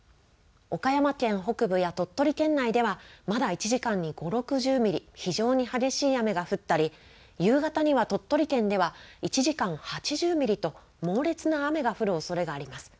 岡山県北部や鳥取県内ではまだ１時間に５０、６０ミリ、非常に激しい雨が降ったり夕方には鳥取県では１時間８０ミリと猛烈な雨が降るおそれがあります。